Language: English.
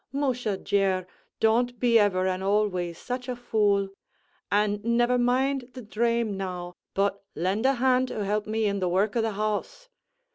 Musha, Jer, don't be ever an' always such a fool; an' never mind the dhrame now, but lend a hand to help me in the work o' the house.